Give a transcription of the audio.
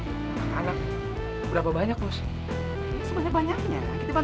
siapa yang setara sebagai sisi yang sisa ganjang atau pisahlah